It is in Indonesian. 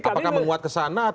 apakah menguat ke sana